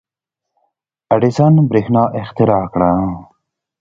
• اډېسن برېښنا اختراع کړه.